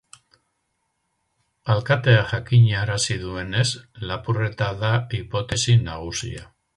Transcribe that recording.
Alkateak jakinarazi duenez, lapurreta da hipotesi nagusia.